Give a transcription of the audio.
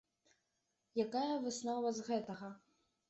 Якая выснова з гэтага?